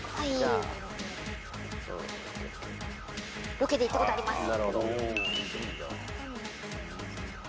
ロケで行ったことあります。